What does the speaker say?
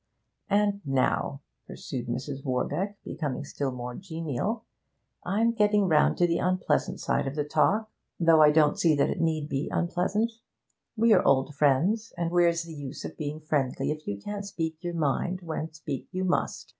'And now,' pursued Mrs. Warbeck, becoming still more genial, 'I'm getting round to the unpleasant side of the talk, though I don't see that it need be unpleasant. We're old friends, and where's the use of being friendly if you can't speak your mind, when speak you must?